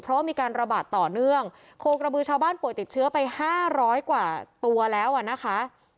เพราะว่ามีการระบาดต่อเนื่องโคกระบือชาวบ้านป่วยติดเชื้อไปห้าร้อยกว่าตัวแล้วอ่ะนะคะ